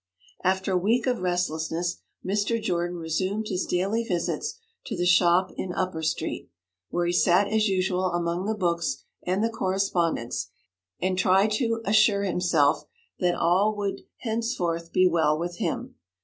After a week of restlessness, Mr. Jordan resumed his daily visits to the shop in Upper Street, where he sat as usual among the books and the correspondence, and tried to assure himself that all would henceforth be well with him.